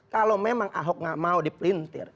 kalau memang ahok nggak mau dipelintir